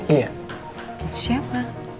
iya temennya elsa